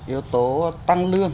yếu tố tăng lương